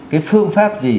cái phương pháp gì